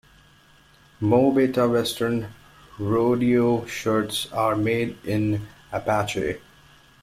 Mo Betta western rodeo shirts are made in Apache.